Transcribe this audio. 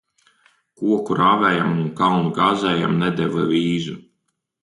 Koku rāvējam un kalnu gāzējam nedeva vīzu.